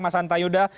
mas anta yuda